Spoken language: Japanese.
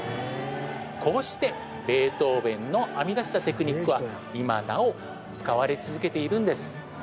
こうしてベートーヴェンの編み出したテクニックは今なお使われ続けているんです